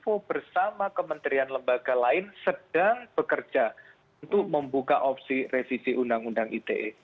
kominfo bersama kementerian lembaga lain sedang bekerja untuk membuka opsi resisi undang undang ite